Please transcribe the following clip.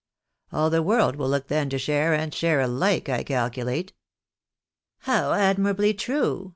All the world will look then to share and share alike, I calculate." " How admirably true